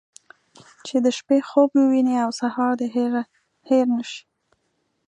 چې د شپې خوب ووينې او سهار دې هېر نه شي.